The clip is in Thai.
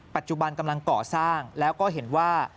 ปัจจุบันกำลังก่อสร้างแล้วก็เห็นว่า